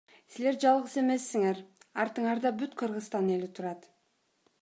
Силер жалгыз эмессиӊер, артыӊарда бүт Кыргызстан эли турат.